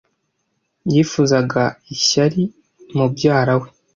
Yifuzaga ishyari mubyara we.